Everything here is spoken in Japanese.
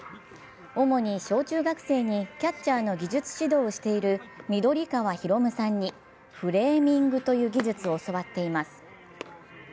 主に小中学生のキャッチャーの技術指導をしている緑川大陸さんにフレーミングという技術を教わっています。